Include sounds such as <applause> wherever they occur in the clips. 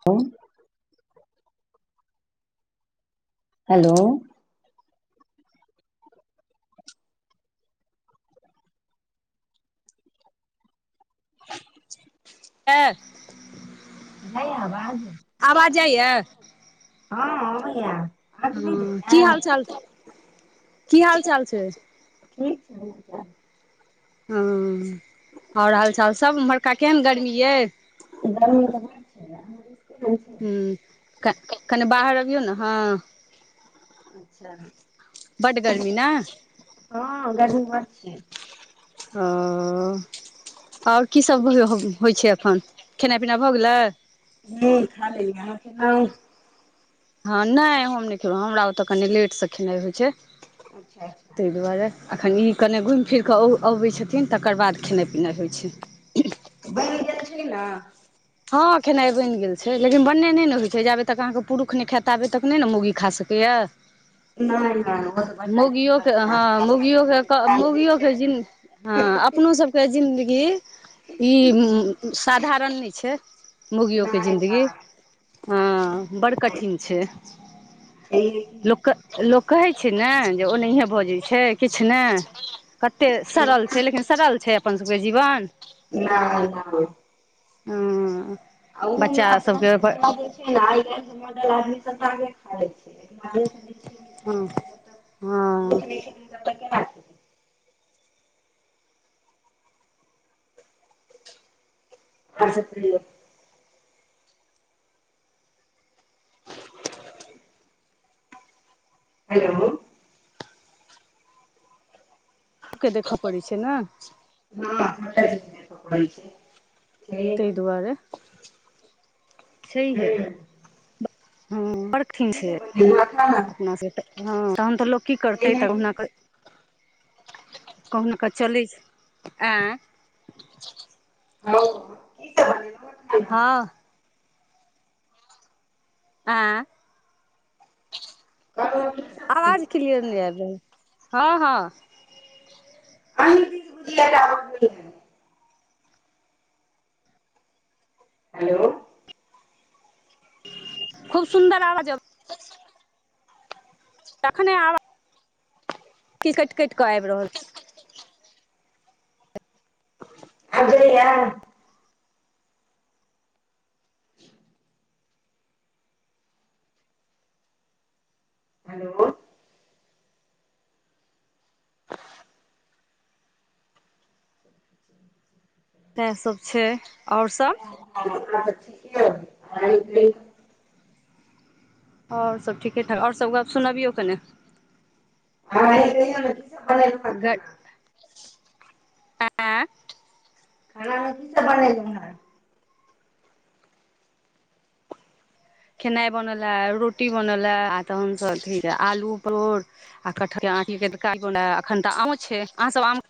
ह हेलो <inaudible> तँ है आवाज आवाज जाइए हँ अबइया हँ की हाल चाल की हाल चाल छै ठीक छै हँ आओर हाल चाल सभ उम्हरका केहन गर्मी अइ गर्मी तऽ बड छै अहाँ दिस केहन छै? हुँ कनि बाहर अबियौ ने अहां बड्ड गर्मी ने हँ गर्मी बड़ छै ओ आओर कीसभ होइ छै एखन खेनाइ पिना भऽ गेलै ह खा लेलीयइ आहा खेलउ हँ नहि हम नहि खेलहुँ हमरा ओतय कनि लेटसँ खेनाइ होइ छै अच्छा अच्छा ताहि दुआरे एखन ई कने घुमि फिर कऽ अबै छथिन तकर बाद खेनाइ पिनाइ होइ छै छी न हँ खेनाइ बनि गेल छै लेकिन बनने नहि ने होइत छै जाबे तक अहाँके पुरुख नहि खाता आबे तक नहि ने मौगी खा सकैया ह <inaudible> नहि नहि ओ त बड़का ज मौगियोके छैाँ हँ अप सबके मौगियोके मिथिलामे जे छै मौगियोके जिन हँ अपनो सबके जिन्दगी ई साधारण नहि छै मोगियो के नहि जिंन्दगी नहि हँ बड़ नहि कठिन छै छैहे की लोक लोक कहै छै ने जे ओ नहिए बजैत छै किछु नहि कते सरल छै लेकिन सरल छै अपन सबके जीवन न नहि हँ आ ओहो बच्चा अपना सब सबके बला जे हइ ने आइ काइल के मॉडल आदमी सब टाके खाे छै छ मिथिला के हँ तऽ जब तक हँ भूलै तक केना खेतय आर सब कहियो हेलो सभके देखय पड़ैत छै ने म छै <unintelligible> तइ दुआरे सी ह हुं हँ बड़थििन की छै सब बनेलौं हें खाना अपना सब एतय तहन तऽ लोक की करतै छैहे त की कहुना क कहुन कऽ चली छै आँय <inaudible> हँ आँ कहलौं की सब बनेलौं आवाज हें क्लियार नहि खेनाइ आयब रहल हँ हँ अ बुझ त हेलो खूब सुन्दर आवाज अ <inaudible> तखने आबाज क काटि काटि कऽ आबि रहल अजलया हेलो इएहसभ छै और सभ आ पी क आओर सभ ठीके ठाक आओर सभ गप्प सुनबियौ कने ह की सब बन खाना आँ बनल हँ खेनाइ बनल ह रोटी बनल हए आ तहनसभ अथी आलू परोड़ आ कटहल एखन तऽ आम छै अहाँ सब आम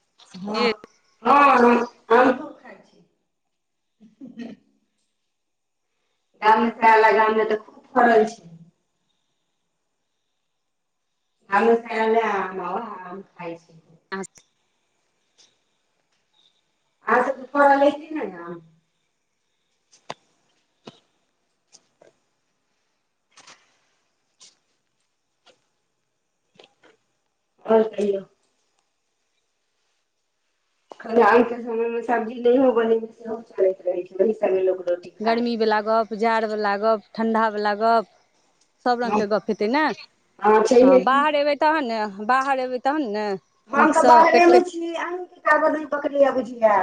हँ छी हँ ह वला गाम मे तऽ खूब फड़ल छै गाम सेए ऐल ए आम आ आम खाय छै अच्छ आह त दुपहराा लै छी ने ने आओर कहियो आइ के समय मे सब्जी नहि हो ब सेहो चलैत रहे छै रोटी खा लै गर्मी वला छै गप जाड़ वला गप ठण्ढा वला गप <inaudible> सब रंग के गप हेतै ने हँ छैहे की बाहर एबै तहन ने बाहर एबै तहन ने हम तऽ नीकसँ बाहरे कटि मे कटि छी अहँके टावर नहि पकड़ैय बुझिया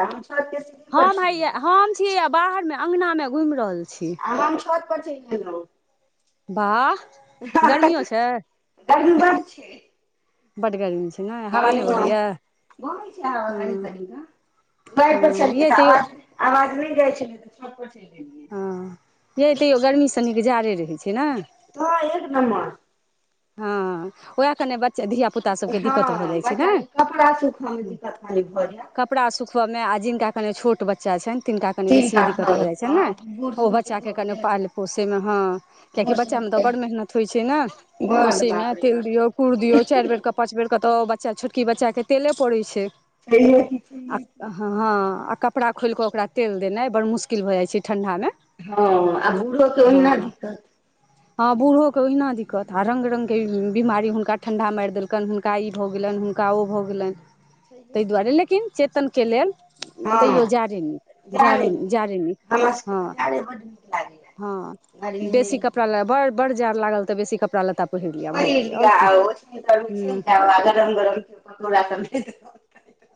हम हैया हम छीयै बाहर मे अंगनामे घुमि रहल छी आ हम छत पर चैल एलौं वाह त गर्मियो त छै गरमी बड़ छै बड्ड गर्मी छै ने हँ हवा नहि बहैया बहै छै हवा हँ तनि तनि क घरे हँ पर छलिये यै तैयो त आवाज नहि जाय छै हँ यै तैओ गर्मी सँ नीक जाड़े रहै छै नै तऽ एक नम्बर हँ वएह कने बच्चे धियापुता सबके दिक्कत भऽ हँ जाइ छै बच्चा के कपड़ा सुखऽ मे ने दिक्कत कनि भऽ जायत कपड़ा सुख बऽ मे आ जिनका कनि छोट बच्चा छनि तिनका कनि तीन बेसिये टा दिक्कत हँ भ जाय छैन ने हँ बूढ़ ओ सूढ़ बच्चा के भऽ कनि गेल पाल पोसेमे हं कियाकि बूढ़ सूढ़ बच्चामे के बड़ मेहनत होइ छै ने बड़ पोसे मे बाप रे तेल बा दियौ कुर डियो चार बेर क पाच बेर बच्चा छोटकी बच्चा के तेले पड़े छै छैहे की छैहे आ की हं कपड़ा खोलिके ओकरा तेल देनाइ बड़ मुशकिल भ जाइ छै ठंडामे हँ आ बूढ़ोे के ओहिना दिक्कत हँ बूढ़ो के ओहिना दिक क कहत ह आ रंग रंग के बीमारी हुनका ठंडा मारि देलकनि हुनका ई भऽ गेलनि हुनका ओ भऽ गेलनि तइ दुआरे लेकिन चेतन के लेल तैयो हँ जारे जारो मे जारे मे हमरा सबके हँ तऽ जाड़े बड्ड नीक लागैया हँ गर्मी नहि बेसी नीक कपड़ा ल लगैया बड़ बड़ जाड़ लागल त बेसी कपड़ा लत्ता लिअ भऽ पहिर गेलै आओर की लिय ओ तरेछै हूँ जे गरम गरम त पकौड़ा सब दैत रहु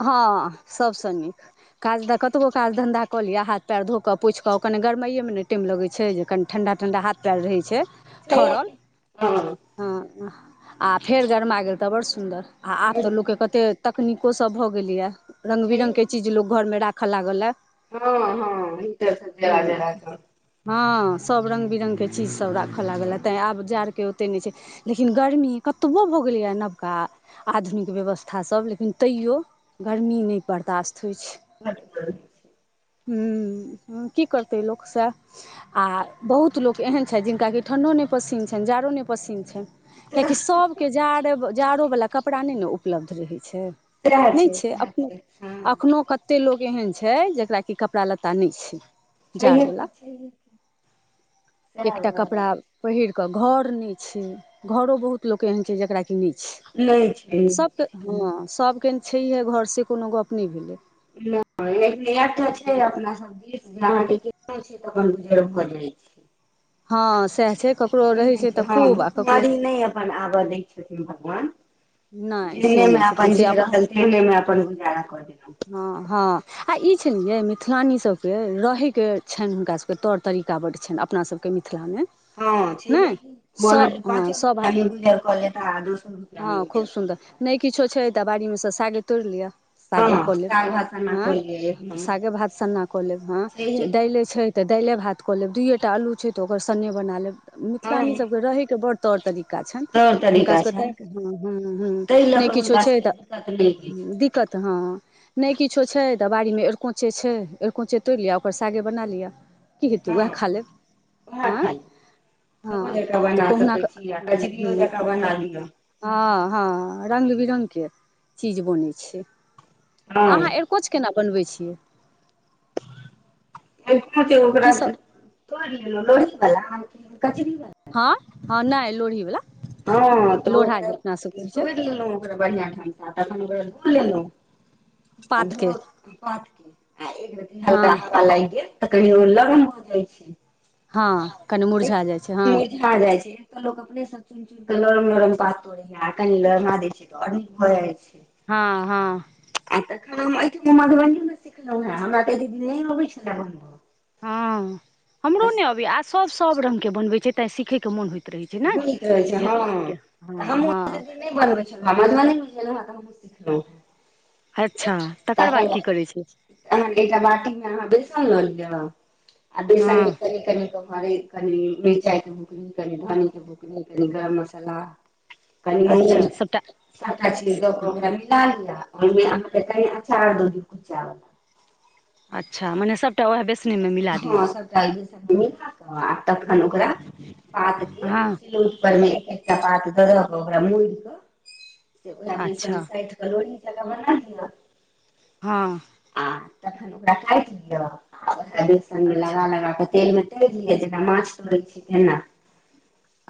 हँ सभसँ नीक काज कतबो काज धन्धा कऽ लिअ हाथ पैर धो कऽ पोछि कऽ ओकरा गरमाइयमे नहि टाइम लगै छै जे कनि ठण्डा ठण्डा हाथ पैर रहै छै छैहे ठरल कि हँ हँ आ फेर गरमा गेल तऽ बड़ सुन्दर आ आब तऽ बड लोकके सुन्दर कते तकनीक सब भ गेल ये रंग बिरंग छैहे के की चीज लोग घर मे राखै लागल ये हँ हँ हीटर से जरा हँ जरा क हँ सब रंग बिरंग के चीज सब राखे लागल है छैहे तैं की आब जाड़ के ओते नै छै लेकिन गर्मी कतबो भऽ गेलैया नबका आधुनिक व्यवस्थासभ लेकिन तैयो गरमी नहि बर्दाश्त होइ छै <unintelligible> हूं की करतै लोकसँ आ बहुत लोक एहन छथि जिनका कि ठण्डो नहि पसीन छनि जाड़ो नहि पसिन छैन छै कियाकि सभके जाड़ जाड़ो वाला कपड़ा नहि ने उपलब्ध रहै छै सएह नहि छै सएह हँ एखनो कते लोग एहन छै छै जेकरा कि कपड़ा लत्ता नहि छै जाड़ छैहे बला की छैहे की सएह एकटा भऽ कपड़ा रहल पहिर कऽ घर नै छै घरो बहुत लोक एहन छै जकरा कि कि नहि छै नहि छै सबके हँ सबके छैहे घर से कोनो गप नहि भेलै नहि एक एकटा छै अपना सब दिस जे अहाँ के किननो छी तऽ अपन गुजर भऽ जाइ हँ सएह छै ककरो छै उ रहै नै तऽ छै हं खूब आ ककरो भुखमरी नहि अपन आब दै छै भगवान नहि से जेहनेमे नहि छथिन अपन से जे रहल तेहने मे अपन गुजारा कऽ लेलक ह हँ आ ई छै ने यै मिथिलानी सबके रहैके छनि हुनका सबके तौर तरीका बड छनि अपना सबके मिथिला हँ छैहे कि सभ मोहन हँ पाँचे सभ रुपैयामे गुजर क लेता आ दशो रुपैया हँ खूब सुन्दर नहि किछो छै तऽ बाड़ी मे स सागे तोड़ि लिअ सागे हँ कऽ लेब साग भात सन्ना हँ कहलियै एक नम्बर सागे भात सन्ना कऽ लेब हँ छैहे कि। दाइले छै तऽ दाइले भात कऽ लेब दुइये टा आलू छै त ओकर सन्ने बना लेब मिथिलानी हँ सबके रहै के बड़ तौर तरीका का तौर छनि हुनका तरीका सभके तैं छनि क हुं हुं हुं ताहि लऽ नहि कऽ किछो हुनका छै से तऽ दिक्कत नहि होइ छै हँ दिक्कत हँ नहि किछो छै तऽ बाड़ी मे एरकोचे छै एरकोचे तोड़ि लिया आ ओकर सागे बना लिय की हेतै हँ उएह खा लेब आँय हँ सब्जी जकाँ तऽ बना कहुना सकैत कऽ छी आ कचरीओ जकाँ बना लिय हँ हँ रंग बिरंगके चीज बनै छै हँ अहाँ एरकोच केना बनबै छियै कांचे ओकरा कीसभ तोड़ि लेलौं लोढ़ी वला हँ हँ नहि लोढ़हीवला हँ तऽ लोढ़ा ओकरा जे अपना सब कहै छै तोड़ि लेलहु ओकरा बढ़ियां ठाम सँ तखन ओकरा लेलौं आ पात के ध एक रति हल्का हँ हल्का लाइर तऽ कनि ओ लरम भऽ जाइ छै हँ कनि मुरझा जाइ छै हँ हँं मुरझा जाइ छै तऽ लोक अपने सँ चुनि चुनि कऽ लरम लरम पात तोड़ेयै आ कनि लड़मा दै छियै तऽ आओर नीक भऽ जाइ छै हँ हँ आ हम एहिठम मधुबनी मे सिखलहुँ हें हमरा तऽ एते दिन नहि अबै छले बनब हँ हमरो नै अबैयै आ सब सब रंग के बनवै छै तें सीखै के मोन होइत रहै छै ने खुब नीक रहै छै जे हँ तऽ हँ हमहुँ तऽ हँ दीदी नहि बनबै छलहुँ मधुबनी जा कऽ हमहूँ सिखलहुँ हें अच्छा तकर तऽ बाद की करै छै एकटा बाटी मे अहाँ बेसन लऽ लिय आ बेसन मे हँ कनी कनी कऽ कनि कनि मिरचाइ के बुकनी कनि धनी के बुकनी कनि गरम मसाला कनि अच्छा सभटा सबटा चीज दऽ कऽ ओकरा हँ मीला लिए ओहि मे की अंचार दऽ दियौ कुच्चा बला अच्छा मने सबटा ओएह बेसन हँ सबटा ओइ बेसन मे मिला कऽ आ तखन ओकरा पात के हँ सिलोट पर मे एक एक पात दऽ दऽ के ओकरा मोड़ि कऽ ओएह बेसन अच्छा साटि कऽ लोरी बना दिय हँ तखन ओकरा काटि दियौ आ वैह बेसनमे अच्छा लगा लगा कऽ तेलमे माछ तड़े छी तैना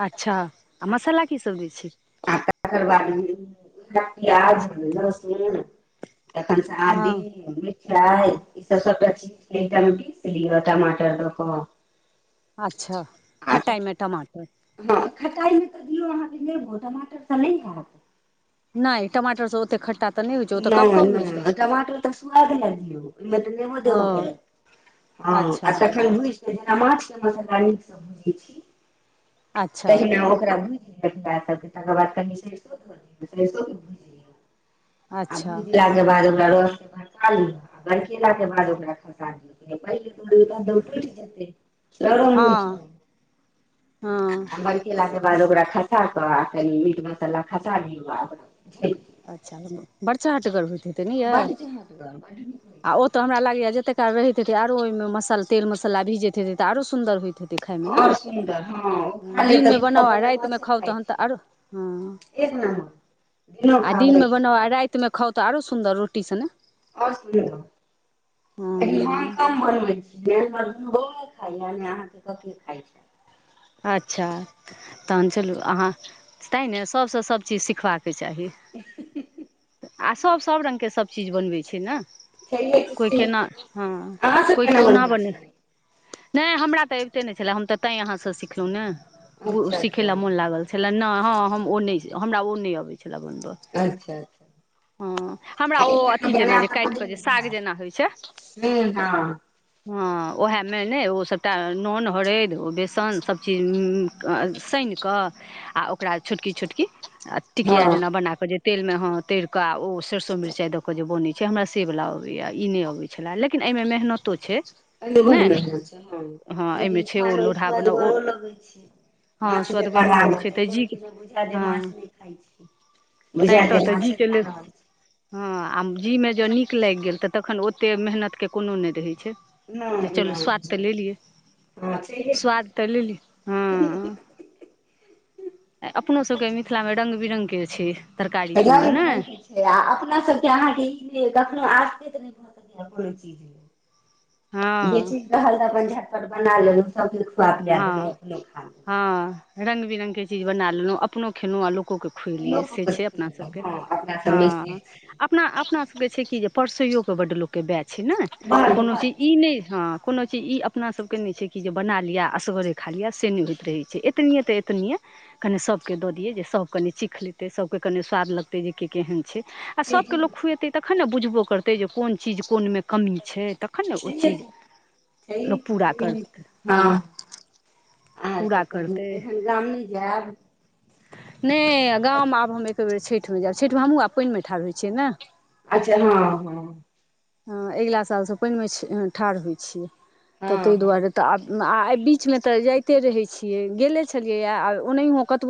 अच्छा आ मसाला की सब दै छिए तकर बाद प्याज लहसुन तखन से आदी हँ प्याज ई सब सबटा चीज एकटा मे पीस लिय टमाटर दऽ कऽ अच्छा खटाइ मे टमाटर खटाई मे तऽ दियौ अहाँ के नेबो टमाटर सँ नहि हैत नहि टमाटर सँ ओते खट्टा तऽ नहि होइ छै ओ तऽ नै कब नै कब होइ छै मतलब टमाटर तऽ स्वाद ले दियौ ओहिमे तऽ नेबो देब हँ पड़त हँ आ अच्छा तखन भुइज कऽ जे माछ जेना तरकारी नीक सँ भूजै छी अच्छा तहिना ओकरा भूजि लिय तकर बाद कनि सरसो ध देबै सरसो के भूजि लिय आ अच्छा भूजि के बारे मे रस के बरका लिय बरकेला के बाद ओकरा खसा दिय तऽ आइयो त उठ जेतै शरम होइ छै हँ हँ <unintelligible> बरकेला के बाद बाद ओकरा खसा कऽ आ कनि मीट मसाला खसा दियौ आ ओकरा उझैल अच्छा भेलय बर चाहटगर होइत हेते नै दियौ यै बड्ड चहटगर बड्ड नीक होइ आ छै ओ तऽ हमरा लागैय जत्ते काल रहैत हेतै तऽ आरो ओहि मे मसाला तेल मसाला भिजैत हेतै तऽ आरो सुन्दर होइत हेतै देखाायमे ने आओर सुन्दर हँ ओ खा लेत तऽ दिनमे बुझाएत बनाउ आ जेना राति मे माछे खाउ खाइ तहन तऽ छी आरो हँ एक न आ दिनमे बनाउ आ रातिमे खाउ तऽ आरो सुन्दर रोटी सने आ और <unintelligible> सुन हँ कम बनै खाइय अहाँ के कथी खाइ छै अच्छा तहन चलू अहाँ तैं ने सब सँ सभ चीज सिखबाक के चाही आ सब सब रंग के सब चीज बनबै छै ने छैहे कि कोई केना छै हँ अहाँ सब कोइ केना कहुना बनबै बने छियै नहि हमरा तऽ अबिते नहि छले हम तऽ तैं अहाँ से सिखलहु ने अच्छा सिखय ला अच्छा मोन लागल छलै नहि हँ हम ओ नहि हमरा ओ नहि अबै छल अच्छा अच्छा हँ हमरा आ ओ ई लऽ कऽ अथी जेना जे बनायब तऽ काटि बड्ड कऽ जे नीक साग हैत जेना होइ छै हूँ हँ हँ ओहामे ने ओ सभटा नोन हरैद बेसन सभ चीज सानिकऽ आ ओ ओकरा छोटकी छोटकी टिकिया हँ जेना बनााकऽ जे तेलमे हँ तरिकऽ ओ सरसो मिरचाइ दऽ कऽ जे बनैत छै हमरा से वाला अबैया ई नहि अबै छलै लेकिन एहिमे मेहनतो छै ने हँ एहिमे छै ओ लोढ़हा बनाउ ओ <unintelligible> हँ मांछ जेकां स्वदगरो लगै लागत छै तऽ एको जी रति बुझायत नहि जे हँ माछ नहि खाइ छी तैँ बुझायत तऽ जे तऽ मांछे जीके खा लेल रहल छी हँ आ जी मे जँ नीक लागि गेल तऽ तखन ओते मेहनत के कोनो नहि रहै जे नहि चलू स्वाद तऽ नहि लेलियै हँ छैहे कि स्वाद तऽ लेलियै हँ <unintelligible> अपनो सभके मिथिलामे रंग बिरंग के छै तरकारी छै तीमन ने आ अपना सबके अहाँके ई कखनो आसे त नहि भऽ सकैा कोनो चीज जे हँ चीज रहल अपन चट बना लेलहुँ सभके खुआ पिया देलहुं हँ अपनो खा लेलहु हँ रंग बिरंग के चीज बना लेलहुँ अपनो खेलहुँ अ लो के खुलियै लोको से के छै अपना खुएलहुँ सबके हँ अपना सबमे से हँ छै अपना अपना सबके छै कि जे परसैयो के बड्ड लोकके बाए छै ने बड कोनो बड चीज ई नहि ह कोनो चीज ई अपना सबके नहि छै कि जे बना लिअ आ असगरे खा लिय से नहि होइत रहे छै एतनीे ते एतनीे कनि सब के दऽ दिये जे सब कने चीख लेते सब के कने स्वाद लगते जे की केहन छै आ छैहे सभके की लोक खुएतै तखन ने बुझबो करतै जे कोन चीज कोनमे कमी छै तखन ने ओ छैहे चीज लोक की पूरा छैहे करतै हँ आ त पूरा करतै एखन गाम नहि जायब नै गाम आब हम एक बेर छैठमे जायब छैठ मे हमहूँ आब पानिमे ठाढ़ होइ छियै ने अच्छा हँ हँ हँ एगिला सालसँ पैनमे ठाढ़ होइ छियै तऽ हँ ताहि हँ दुआरे तऽ बीचमे तऽ जाइते रहै छीयै गेले छलियै ओनाहि कतबो